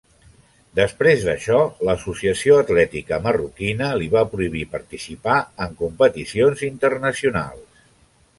Després d'això, l'associació atlètica marroquina li va prohibir participar en competicions internacionals.